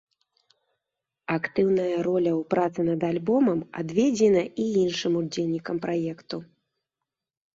Актыўная роля ў працы над альбомам адведзена і іншым удзельнікам праекту.